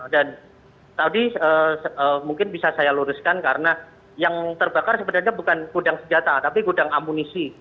dan tadi mungkin bisa saya luruskan karena yang terbakar sebenarnya bukan gudang senjata tapi gudang amunisi